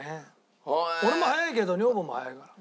俺も早いけど女房も早いから。